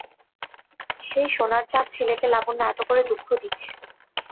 সেই সোনার চাঁদ ছেলেকে লাবণ্য এত করে দুঃখ দিচ্ছে।